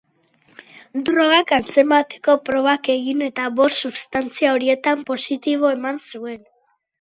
Drogak antzemteko probak egin eta bost substantzia horietan positibo eman zuen.